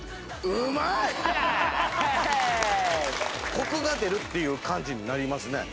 コクが出るっていう感じになりますね。